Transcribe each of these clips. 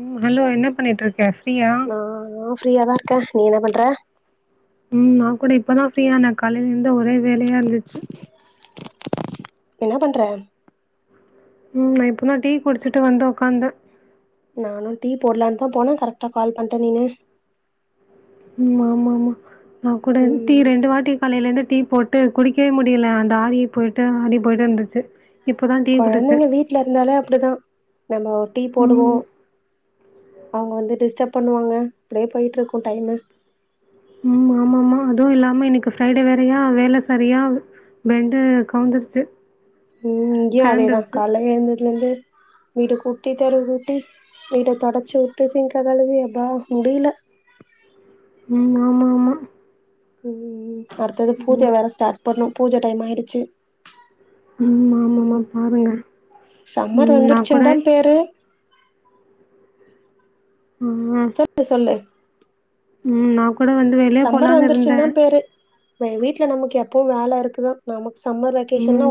உம் hello என்ன பண்ணிட்டு இருக்க ஃப்ரீயா? ஹலோ ஃப்ரீயா தான் இருக்கேன் நீ என்ன பண்ற உம் நான் கூட இப்பதான் ஃப்ரீயானேன் காலையில இருந்து ஒரே வேலையா இருந்துச்சு என்ன பண்ற ம் இப்பதான் டீ குடிச்சுட்டு வந்து ஓக்காந்தேன் நானும் டீ போடலான்னுதான் போனேன் கரெக்டா கால் பண்ணிட்டேன் நீனு ஆமா ஆமா நான் கூட டீ ம் ரெண்டு வாட்டி காலையில இருந்து டீ போட்டு குடிக்கவே முடியல அந்த ஆறிப் போய்ட்டு ஆறி போய்ட்டு இருந்துச்சு இப்போ தான் டீ குழந்தைங்க குடிச்சேன். வீட்டு்ல இருந்தாலே அப்படிதான் நம்ம டீ ம். போடுவோம் அவங்க வந்து டிஸ்டர்ப் பண்ணுவாங்க அப்படியே போயிட்டு இருக்கும் டைமு உம் ஆமா மா அதுவும் இல்லாம இன்னைக்கு ஃப்ரைடே வேறையா வேலை சரியா பெண்டு கழன்றுச்சு உம் இங்கயும் அதேதான் கால்ல எழுந்து இருந்து வீடு கூட்டி தெரு கூட்டி வீட தொடுச்சு விட்டு சிங்க கழுவி ப்பா முடியல உம் ஆமாமா உம் அடுத்தது பூஜை ம். வேற ஸ்டார்ட் பண்ணணும் பூஜை டைம் ஆயிடுச்சு உம் ஆமாமா ம் பாருங்க சம்மர் உம் நான் கூட வந்துருச்சுன்னு தா பேரு சொல்லு சொல்லு உம் நான் கூட கூட வந்து வெளியே போலான்னு இருந்தேன் மை வீட்டுல நமக்கு எப்பவு வேல இருக்குதா நமக் ம்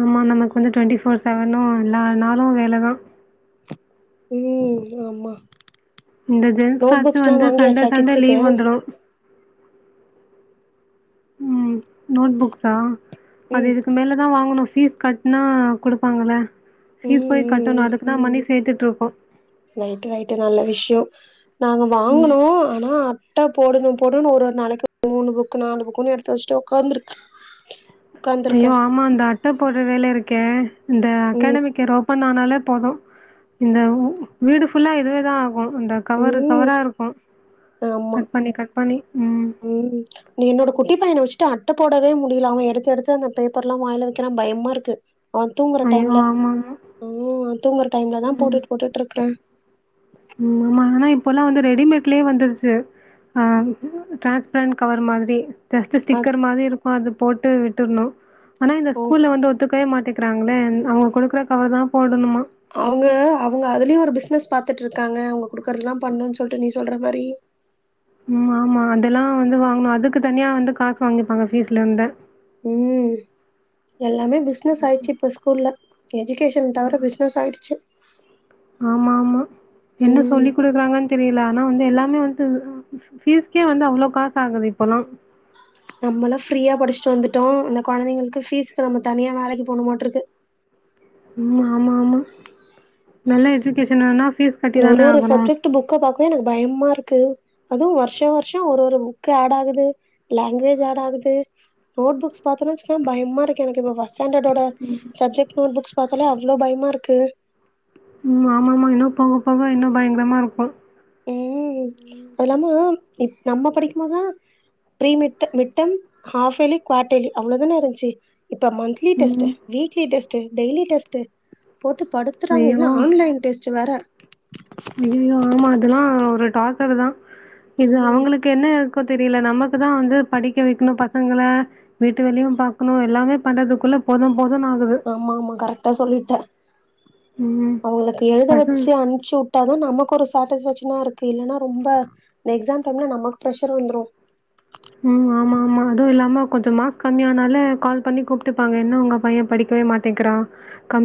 ஆமா நமக்கு வந்து டுவென்டிஃபோர் செவனு எல்லானாளு வேலதா ம் ஆமா இந்த நோட் ஜென்ஸ்சாச்சும் புக்ஸ்லா வந்து சண்டே வாங்கியாச்சா சண்டே கிட்ஸுக்கு லீவ் வந்துடு ம் நோட் புக்ஸா அது ம் இதுக்கு மேலதா வாங்கணு பீஸ் கட்னா குடுப்பாங்கள பீஸ் ம் போய் கட்டணு அதுதா மனிஷ் சேர்த்துட்டு இருக்கோ நைட்டு ரைட்டு நல்ல விஷ்யோ நாங்க ம். வாங்கனோ ஆனா அட்ட போடணு போடணு ஒரு நாளைக்கு மூணு புக்கு நாலு புக்குன்னு எடுத்து வச்சிட்டு உக்காந்துருக்கு ஐயோ ஆமா அந்த அட்ட போடுற வேல இருக் க்கே இந்த ம் அக்காடமிக்க ரோபன் நானாலே போது இந்த வு வீடு ஃபுல்லா எதுவேதா போதுண்டா கவரு ம் கவரா இருக்கு ஆமா கட் பண்ணி கட் பண்ணி ம் நீ என்னோட குட்டி பையன வச்சுட்டு அட்ட போடவே முடியல அவ எடுத்து எடுத்து அந்த பேப்பர்ல்லா வாயில வைக்கிறா பயமா இருக்கு அவன் தூங்குற ஐயோ! டைம்ல ஆமாமா. ம் அவன் தூங்குற டைம்ல தா ம். போட்டுட்டு போட்டுட்டுருக்கே ம் ஆமா ஆனா இப்பொல்லா வந்து ரெடிமேட்லயே வந்துருச்சி ஆ டிரான்ஸ்பரண்ட் கவர் மாதிரி டெஸ்ட் அ ஸ்டிக்கர் மாரி இருக்கு அது போட் ட்டு விட்டுணு ஆனா இந்த ஓ ஸ்கூல வந்து ஒத்துக்கவேமாட் த்க்கிறாங்களே அவங்க கொடுக்குற கவர்தா போடணுமா அவங்க அவங்க அதுலயும் ஒரு பிசினஸ் பாத்துட்டுருக்காங்க அவங்க குடுக்கறதுல்லா பண்ணு சொல்ட்டு நீ சொல்ற மாரி ம் ஆமா அதெல்லா வந்து வாங்கனு அதுக்கு தனியா வந்து காசு வாங்கிப்பாங்க பீஸ்ல இந்து ம் எல்லாமே பிசினஸ் ஆயிச்சி இப்ப ஸ்கூல்ல எஜிகேஷன் தவிர பிஸ்னஸ் ஆயிடிச்சி ஆமா ஆமா என்ன ம் சொல்லி குடுக்கறாங்கன்னு தெரியல ஆனா வந்து எல்லா [unintelligible] வந்து ஃபீஸ்கே வந்து அவ்ள காசு ஆகுது இப்பல்லா நம்மல்லா ஃப்ரீயா படிச்சுட்டு வந்துட்டோ இந்த கொழந்தைங்களுக்கு ஃபீஸ்கு நம்ம தனியா வேலைக்கு போணுமாட்ருக்கு உ ஆமா ஆமா நல்ல எஜுகேஷன் வேனா ஒரு ஒரு சப்ஜெக்ட் புக்க பாக்குவே எனக்கு பயமா இருக் கு அதுவு வருஷ வருஷோ ஒரு ஒரு புக்கு ஆட் ஆகுது லாங்குவஜ் ஆட் ஆகுது நோட் புக்ஸ் பாத்தேனா வச்சிகோவே பயமா இருக்கு எனக்கு இப்ப பச ஸாண்டர்டோட சப்ஜெக்ட் நோட் புக்ஸ் பாத்தாலே அவ் வ்ளோ பயமா இருக்கு உ ஆமாமா இன்னு போக போக இன்னு பயங்கரமா இருக்கு உ அதுலாம இ நம்ம படிக்கும்மோத்லா ப்ரீ மிட் மிட்டேம் ஹாஃப்வேலி குவாடேலி அவ்ளதானே இருந்துச்சு இப்ப மந்த்லி டெஸ்ட் ம் வீக்லி டெஸ்ட் டெய்லி டெஸ்ட் ட்டு போட்டு படுத்துறாங்க இதுல ஐயோ ஆன்லைன் டெஸ்ட் ச்சி வேர ஐயையோ ஆமா அதெல்லா ஒரு டார்சரு தா இது ம் அவங்களுக்கு என்ன ப்போ தெரியல நமக்கு தா வந்து படிக்க வைக்கணு பசங்கள வீட்டு வேலயு பாக்கணு எல்லாமே பண்றதுக்குள்ள போது போதுன்னு ஆகுது ஆமாமா கரெக்டா சொல்லிட்ட ம் அவங்களுக்கு எழுத பசங்க வச்சு அனுப்ச்சி விட்டாதா நமக் ஒரு சாட்டிஸ்வேக்ஷனா இருக்கு இல்லனனா ரொம்ப இந்த எக்ஸாம் டைம்ல நமக்கு பரஷர் வந்துரு உ ஆமா மா அதுவு இல்லாம கொஞ்ச மார்க் கம்மியானாலே கால் பண்ணி கூப்ட்டுப்பாங்க என்ன உங்க பையே படிக்கவே மாட்டேங்றா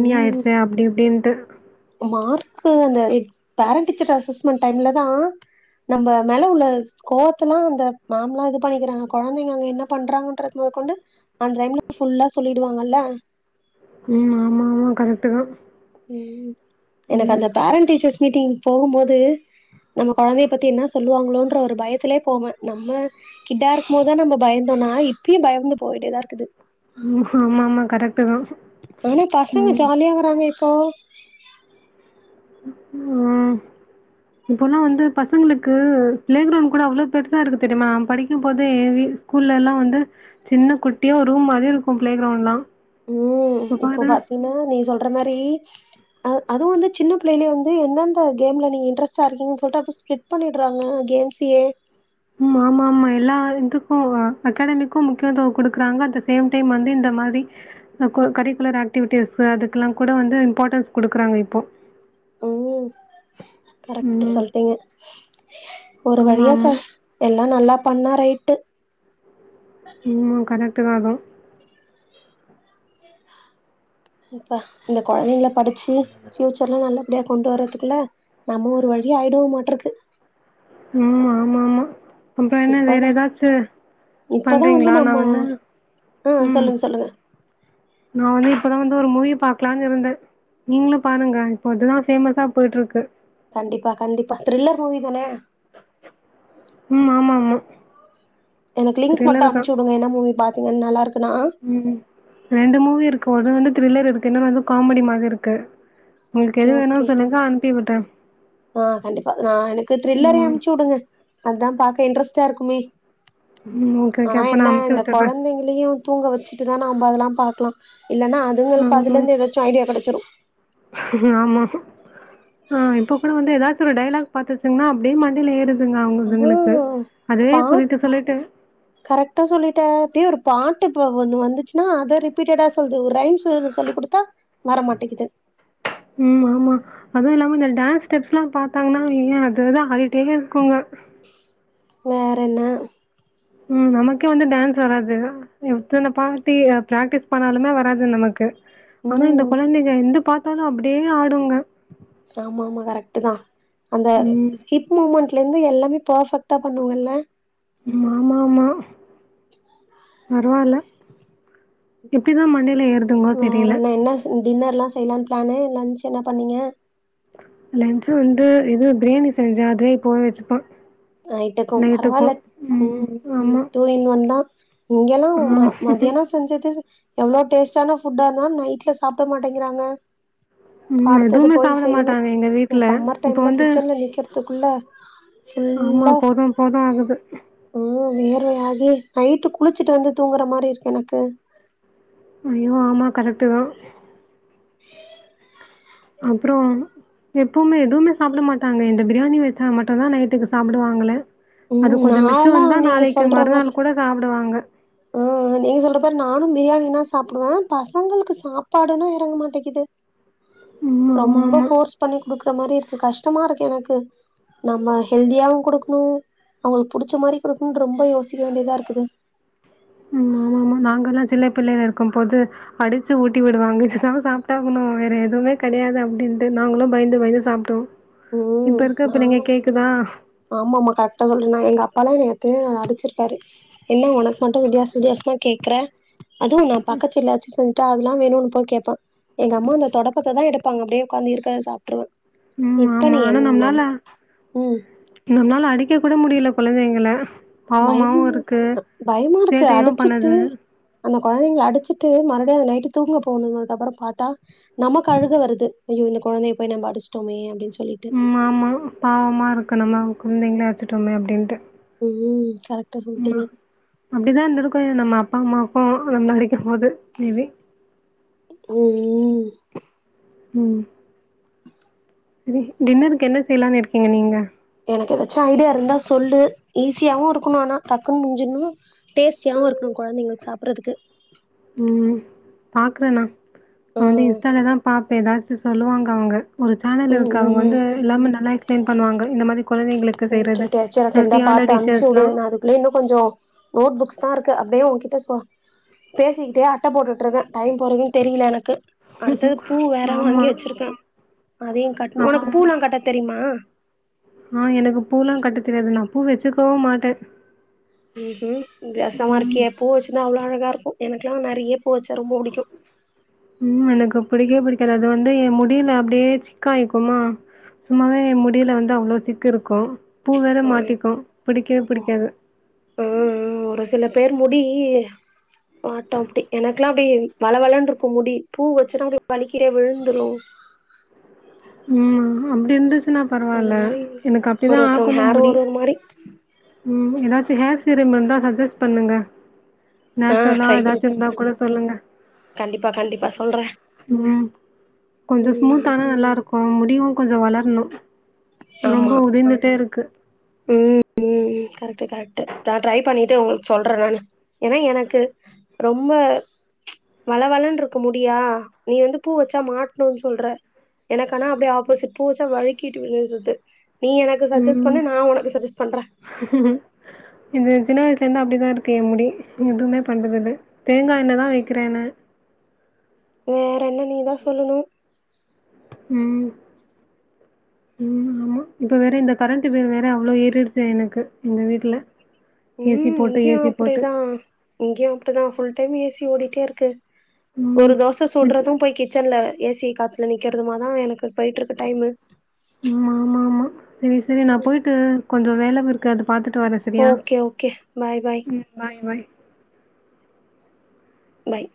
ம் அப்டி இப்டின்ட்டு மார்க்கு அந்த பேரண்ட் டீச்சர் அசஸ்மெண்ட் டைம்லதா நம்ம மேல உள்ள ஸ்கோத்தலா அந்த மேலா இது பண்ணிக்கிறாங்க கொழந்தைங்க அங்க என்ன பண்றாங்கன்றதமொதக்கொண்டு அந்த டைம்ல ஃபுல்லா சொல்லிடுவாங்கல்ல உ ஆமாமா கரெக்டு தா உ எனக்கு ம் அந்த பேரண்ட் டீச்சர்ஸ் மீட்டிங் போம்போது நம்ம கொழந்தைய பத்தி என்ன சொல்லுவாங்களோன்ற ஒரு பயத்திலே போவே நம்ம கிட்டா இருக்கும் போதுதா நம்ம பயந்தோம்னா இப்பயு பயந்து போயிட்டேதா இருக்குது உ ஆமா மா கரெக்ட் ஆனா பசங்க ஜாலியா வராங்க போ ஆ இப்போலா வந்து பசங்களுக்கு பிளே கிரவுண்ட் கூட அவ்ளோ பெருசா இருக்கு தெரியுமா படிக்கும்போதே வீ ஸ்கூல்லலா வந்து சின்ன குட்டியா ஒரு ரூம் மாரி இருக்கு பிளே கிரவுண்ட்லா உ இப்போ பாத்தீன்னா நீ சொல் ன்ரமாரி அ அதுவுவந்து சின்ன பிள்ளைலே வந்து எந்தந்த கேம்ல நீங்க இன்ட்ரெஸ்டார்கீங்கன்டு சொல்ட்டு அப்டியே ஸ்கிப் பண்ணிடுறாங்க கேம்ஸயே உ ஆமா மா எல்லா இதுக்கு அகாடமிக்கு முக்கியத்துவோ குடுக்குறாங்க அட் த சேம் டைம் வந்து இந்த மாரி கரிக்குலர் ஆக்டிவிட்டிஸ் அதுக்கெல்லா கூட வந்து இம்பார்ட்டன்ஸ் குடுக்குறாங்க இப்போ உ கரெக்ட் ம். சொல்ட்டீங்க ஒரு வழியா ஆமாமா. சார் எல்லா நல்லா பண்ணா ரைட்டு உம்மா கரெக்ட்டுதா அது அப்பா இந்த கொழந்தைங்கள படிச்சு ஃபியூச்சர்ல நல்ல அப்டியா கொண்டு வர்றதுக்குள்ள நம்ம ஒரு வழி ஆயிடுவோமாட்றக்கு அப்புறோ என்ன வேற இப்பதா எதாச்சு இப்பதா பண்றீங்களா நா நம்ம வந்து ஆ ம் சொல்லுங்க சொல்லுங்க நா வந்து இப்போதா வந் ஒரு மூவி பாக்கலான்னு இருந்த நீங்களு பாருங்க இப்போ அதுதா ஃபேமஸா போயிட்டு இருக்கு கண்டிப்பா கண்டிப்பா த்ரில்லர் மூவி தான ம் ஆமா ஆமா எனக்கு லிங்க் மட்டு அம்சு உடுங்க என்ன மூவி பாத் து நல்லா இருக் ம் ரெண்டு மூவி இருக்கு ஒன்னு வந்து த்ரில்லர் இருக்கு இன்னொன்னு வந்து காமெடி மாரி இருக்கு உங்களுக்கு ஓகே எது ஓகே வேணு சொல்லுங்கா அனுப்பி விடு ட்ட ஆ கண்டிப்பா நா எனக்கு த்ரில்லரே ம். அனுப்சு உடுங்க அதா பாக்க இன்ட்ரெஸ்டா இருக்குமே ம். Okay, okay. ஆனா அப்ப நான் என்ன அனுப்பிச்சு இந்த விட்டுடுறேன். கொழந்தைங்களையு தூங்க வெச்சுட்டுதா நா நம்ம அதெல்லாம் பாக்கலா இல்லன்னா அதுங்களுக்கு அதுல ம். இருந்து எதாச்சு ஐடியா கெடச்சுரு ஆமா. ஆ இப்ப கூட வந்து எதாச்சு ஒரு டைலாக் பாத்துச்சுங்கன்னா அப்டியே மண்டைல ஏறுது ரொம்போ பா சொல்லிட்டு, சொல்லிட்டு கரெக்டா சொல்லிட்ட அப்டியே ஒரு பாட்டு இப்ப ஒண்ணு வந்துச்சுன்னா அத ரிப்பீட்டடா சொல்து ஒரு ரைம்ஸ்ஸ சொல்லி குடுத்தா வரமாட்டேக்குது ம் ஆமா அது இல்லாம இந்த டேன்ஸ் ஸ்டெப்ஸ் எல்லா பாத்தாங்கன்னா அவிங்க அதுதா ஆடிட்டே இருக்குங்க வேற என்ன ம் நமக்கே வந்து டேன்ஸ் வராது எத்தன பார்டி பிரேக்டிஸ் பண்ணாலுமே வராது நமக்கு ஆனா இந்த ம் கொழந்தைங்க எந்து பாத் பாத்தொன அப்டியே ஆடுங்க ஆமா ஆமா கரெக்ட்டுதா அந்த ம். ஹிப் மூமெண்ட் அதுல இருந்து எல்லாமே போஃப்பெக்டா பண்ணுவல்ல மாமா ஆமா பரவாயில்ல எப்டிதான் மண்டைல ஏறுதுங்கோ தெரில செய்யலானு பிளானு லன்ச்சு என்ன பண்ணீங்க லன்ச்சு வந்து எதோ பிரியாணி செஞ்ச அதுவே இப்போவே வச்சிப்பான் நைட்டுக்கும் பரவாயில்ல ம் ம் ஆமா. டூ இன் ஒன் தான் இங்கெல்லாம் ஆமா. ம மதியானம் செஞ்சது எவ்ளோ டேஸ்ட்டான ஃபுட்டாந்தா நைட்ல சாப்பட மாட்டேங்கிறாங்க ம் அடுத்தது எதுமே போய் சாப்பட செய்யணு மாட்டாங்க எங்க வீட்ல இப்ப வந்து துக்குள்ள ஆமா போது போது ஆகுது ம் வேர்வையாகி நைட்டு குளிச்சிட்டு வந்து தூங்கற மாரி இருக்கு எனக்கு ஐயோ ஆமா கரெட்டு தான் [inaudible] அப்புறம் எப்பவுமே எதுவுமே சாப்பட மாட்டாங்க இந்த பிரியாணி வைச்சா மட்டும்தான் நைட்டுக்கு சாப்படுவாங்களே ம் நாலாம் நீங்க சொல்ற மாரி மறுநாள் கூட சாப்பிடுவாங்க. ஆ நீங்க சொல்ற மாரி நானும் பிரியாணி னா சாப்படுவேன் பசங்களுக்கு சாப்பாடுன்னா எறங்க மாட்டிக்கிது ம். ரொம்ப ஆமாமா. ஃபோர்ஸ் பண்ணி குடுக்குற மாரி இருக்கு கஷ்டமா இருக்கு எனக்கு நம்ம ஹெல்தியாவும் கொடுக்கணும் அவங்களுக்கு புடிச்ச மாரி கொடுக்குனு ரொம்ப யோசிக்க வேண்டியதா இருக்குது ம் ஆமா ஆமா நாங்க எல்லாம் சில்லே பிள்ளையா இருக்கும் போது அடிச்சி ஊட்டி விடுவாங்க இதான் சாப்பட்டாகணும் வேற எதுவுமே கெடையாது அப்டின்ட்டு நாங்களும் பயந்து பயந்து சாப்ட்டுருவோம் ம் நா ஆமா ஆமா கரெட்டா சொல்ற நான் எங்க அப்பாலாம் எனைய எத்தனையோ நாள் அடிச்சிருக்காரு என்ன ஒனக்கு மட்டும் வித்தியாச வித்தியாசமா கேக்கற அதுவும் நான் பக்கத்து வீட்ல எதாச்சி செஞ் ச அதெல்லாம் வேணுன்னு போயி கேப்பேன் எங்க அம்மா அந்த தொடப்பத்த தான் எடுப்பாங்க அப்டே உக்காந்து இருக்க சாப்ட்டுருவேன் ம் ஆமா ஆனா நம்மளால ம் நம்ளா இப்பலாம் அடிக்க கூட முடியல கொழந்தைங்கள பயமாவு இருக்கு பயமு இருக்கு சேட்டையும் அடிச்சிட்டு பண்ணுது. அந்த கொழந்தைங்கள அடிச்சிட்டு மற அப்டே நைட்டு தூங்க போனும் அதுக் அப்புறம் பாத்தா நமக்கு அழுக வருது ஐயோ இந்த குழந்தைய போய் நம்ப அடிச்டோமே அப்படினு உம் ஆமா பாவமா இருக்கணும்மா கொழந்தைங்களா அடிச்சிட்டோமே அப்டின்ட்டு ம் கரெக்டா ஆமா சொல்ட்டீங்க அப்படிதான் இருந்திருக்கும் நம்ம அப்பா அம்மா இப்போ என்ன அடிக்கும் போது மே பி உஹம் உம் செரி டின்னருக்கு என்ன செய்யலாம்னு இருக்கீங்க நீங்க எனக்கு ஏதாச்சும் ஐடியா இருந்தா சொல்லு ஈஸியாவும் இருக்கணும் ஆனா டக்குன்னு முடிஞ்சுறணும் டேஸ்டியாவும் இருக்கணும் கொழந்தைங்களுக்கு சாப்பிடறதுக்கு ம் பாக்கறேண்ணா நான் வந்து ம் இன்ஸ்டாலதான் பா இப்ப ஏதாச்சும் சொல்லுவாங்க அவங்க ஒரு சேனல் ம் இருக்கு ம் அவங்க வந்து எல்லாமே நல்லா பண்ணுவாங்க இந்த மாதிரி குழந்தைங்களுக்கு எனக்கு செய்றது. எப்டியாச்சும் எனக்கு இருந்தா ஹெல்த்தியான பாத்து அனுப்ச்சு விடு டிஷ்ஷஸ்லாம். நான் அதுக்குள்ள இன்னும் கொஞ்சம் நோட் புக்ஸ் தான் இருக்கு அப்டியே உங்ககிட்ட சொ பேசிக்கிட்டே அட்ட போட்டுட்டு இருக்கேன் டைம் போறதே தெரியல எனக்கு அடுத்தது பூ வேற ஆமா. வாங்கி வச்சிருக்கேன் அதயும் கட்டணும் ஆமாமா. உனக்கு பூல்லாம் கட்ட தெரியுமா ஆ எனக்கு பூல்லாம் கட்ட தெரியாது நான் பூ வச்சுக்கவும் மாட்டேன் உஹம்ம் வெசமா ம். இருக்கியே பூ வச்சிருந்தா அவ்வளோ அ இருக்கும் எனக்கெல்லாம் நெறைய பூ வச்சா ரொம்ப பிடிக்கும் உம் எனக்கு பிடிக்கவே பிடிக்கது அது வந்து என் முடியில அப்டியே சிக்காயிக்குமா சும்மாவே என் முடியில வந்து அவ்வளவு சிக்கு இருக்கும் பூ வேற ம் மாட்டிக்கும் புடிக்கவே பூ புடிக்காது ம் ஒரு சில பேர் முடி மாட்டோம் அப்டி எனக்கெல்லாம் அப்டியே வழ வழநூ இருக்கும் முடி பூ வச்சன்னா அப்டிய வழுக்கிடே விழுந்துரும் உம் அப்படிந்து அது மாரி ஒரு ஒருத்தவங்க ஆக்கணும் ஹேரும் முடி. ஒரு ஒரு மாரி ம் ஏதாச்சும் ஹேர் சீரம் இருந்தா சஜஸ்ட் பண்ணுங்க ஆ நேச்சரலா ட்ரை பண்ணி ஏதாச்சும் இருந்தா பாக்குறே கூட சொல்லுங்க கண்டிப்பா கண்டிப்பா சொல்றே உம் கொஞ்சம் ம் ஸ்மூத்தான நல்லா இருக்கும் முடியும் கொஞ்சம் வளரணும் ரொம்ப ஆமா உதிர்ந்துட்டே இருக்கு. உம் உம் கரெக்ட் கரெக்ட் ட்ரை பண்ணிட்டு உ சொல்றேன் நான் ஏன்னா எனக்கு ரொம்ப வளவளன்ன இருக்க முடியா நீ வந்து பூ வச்சா மாட்டும்னு சொல்ற எனக்கனா அப்படியே ஆப்போசிட் பூ வச்சா வழுக்கி இருந்தது நீ எனக்கு சஜஸ்ட் ம். பண்ணு நான் உனக்கு சஜஸ்ட் பண்றே சுலர்ந்து அப்டிதா இருக்கு ஏன் முடி எதுமே பண்றது இல்ல. தேங்கா எண்ணதா வைக்கிறே நா வேற என்ன நீதா சொல்லணு ம் ம் ஆமா இப்ப வேற இந்த கரண்ட்டு பில் வேற அவ்ளோ ஏறிருக்கு எனக்கு எங்க வீட்ல ஏசி உம் போட்டு இங்கேயும் ஏசி போட்டு. அப்டிதான் இங்கேயும் அப்டிதான் புல் டைம் ஏசி ஓடி கிட்டே இருக்கு ம். ஒரு தோச மிட் சுட்றது போய் கிச்சன்ல ஏ சி காத்துல நிக்கிறதுமாதா எனக்கு போயிட்ருக்கு டைமு ம் ஆமா ஆமா செரி செரி நா போயிட்டு கொஞ்ச வேல இரு கடு பாத்துட்டு வரே சரியா ஓகே ஓகே பாய் பாய் ம் பாய் பாய் பாய்